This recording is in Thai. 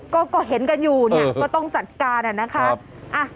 ก็ก็เห็นกันอยู่เนี้ยเออก็ต้องจัดการอ่ะนะคะครับอ่ะ